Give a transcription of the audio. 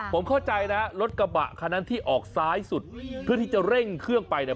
ผมเข้าใจนะรถกระบะคันนั้นที่ออกซ้ายสุดเพื่อที่จะเร่งเครื่องไปเนี่ย